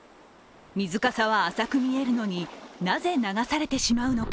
水かさは浅く見えるのになぜ流されてしまうのか。